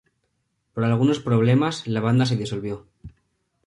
Por algunos problemas, la banda se disolvió.